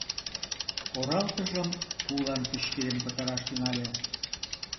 Оралтыжым пулан пӱчкеден пытараш тӱҥале.